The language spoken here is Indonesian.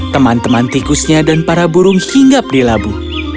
teman teman tikusnya dan para burung hinggap di labu